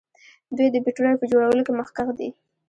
دوی د بیټریو په جوړولو کې مخکښ دي.